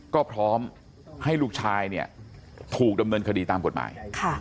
ก็พร้อมให้ลูกชายเนี่ยถูกดำเนินคดีตามกฎหมาย